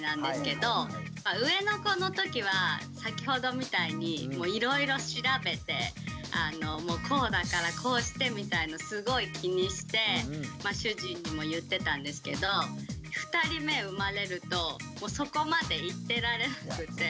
上の子のときは先ほどみたいにいろいろ調べてこうだからこうしてみたいのすごい気にして主人にも言ってたんですけど２人目生まれるとそこまで言ってられなくて。